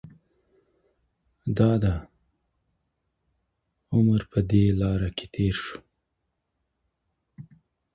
د ده عمر په دې لاره کې تېر شوی.